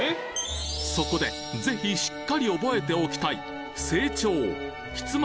そこでぜひしっかり覚えておきたい